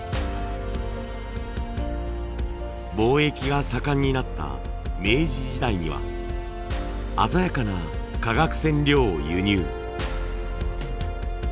貿易が盛んになった明治時代には鮮やかな化学染料を輸入。